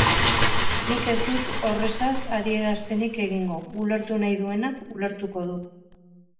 Nik ez dut horrezaz adierazpenik egingo, ulertu nahi duenak ulertuko du.